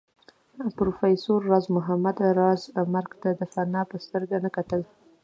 پروفېسر راز محمد راز مرګ ته د فناء په سترګه نه کتل